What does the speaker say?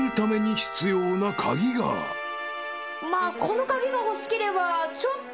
まあこの鍵が欲しければちょっと。